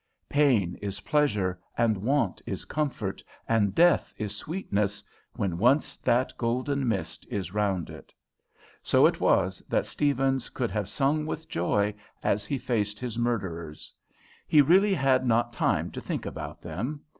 Pain is pleasure, and want is comfort, and death is sweetness when once that golden mist is round it. So it was that Stephens could have sung with joy as he faced his murderers. He really had not time to think about them.